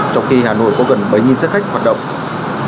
trong khi hà nội có gần bảy xe khách hoạt động